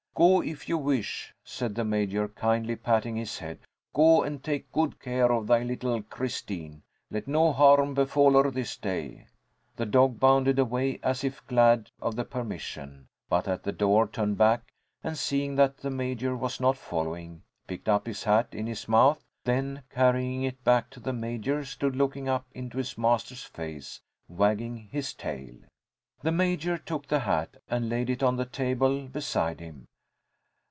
"Go, if you wish," said the Major, kindly patting his head. "Go and take good care of thy little Christine. Let no harm befall her this day!" The dog bounded away as if glad of the permission, but at the door turned back, and seeing that the Major was not following, picked up his hat in his mouth. Then, carrying it back to the Major, stood looking up into his master's face, wagging his tail. The Major took the hat and laid it on the table beside him.